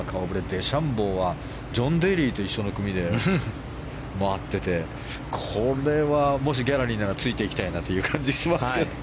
デシャンボーはジョン・デーリーと一緒の組で回っていてこれは、もしギャラリーならついていきたいなという感じがしますけれども。